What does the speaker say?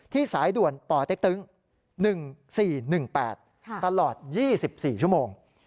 สายด่วนปเต็กตึง๑๔๑๘ตลอด๒๔ชั่วโมง